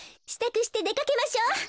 したくしてでかけましょう。